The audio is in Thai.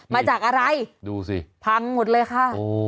มาจากอะไรดูสิพังหมดเลยค่ะ